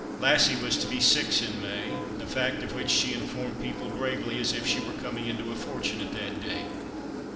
Lassie was to he six in May, a fact of which she informed people gravely, as if she were coming into a fortune at that date.